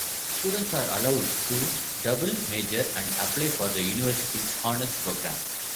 Students are allowed to double-major and apply for the university's honors program.